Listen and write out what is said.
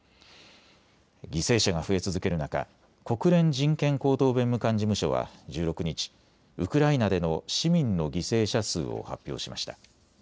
犠牲者が増え続ける中、国連人権高等弁務官事務所は１６日、ウクライナでの市民の犠牲者数を発表しました。